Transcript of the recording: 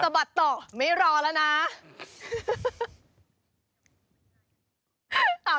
บัดต่อไม่รอแล้วนะ